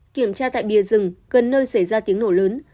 kiểm tra tại bìa rừng gần nơi xảy ra tiếng nổ lớn